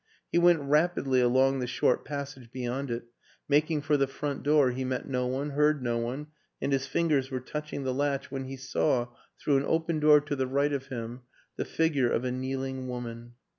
He went rapidly along the short passage beyond it, making for the front door; he met no one, heard no one, and his fingers were touching the latch when he saw, through an open door to the right of him, the figure of a kneeling woman.